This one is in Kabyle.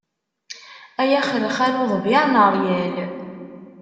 Ay axelxal uḍbiɛ n rryal.